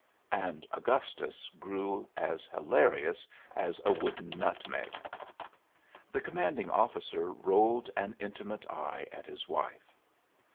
And Augustus grew as hilarious as a wooden nutmeg. The commanding officer rolled an intimate eye at his wife.